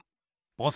ボス